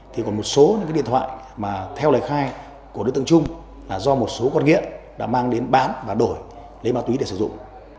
thì còn một số điện thoại mà theo lời khai của đối tượng trung là do một số con nghiện đã mang đến bán và đổi lấy máu tùy để sử dụng